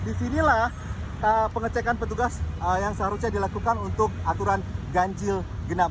disinilah pengecekan petugas yang seharusnya dilakukan untuk aturan ganjil genap